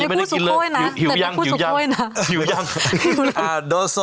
แต่ไม่พูดสุโค้ยนะหิวยังแต่ไม่พูดสุโค้ยนะหิวยังอ่าโดสส